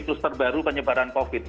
kluster baru penyebaran covid